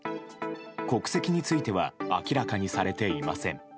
国籍については明らかにされていません。